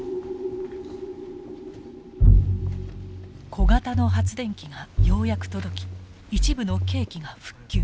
小型の発電機がようやく届き一部の計器が復旧。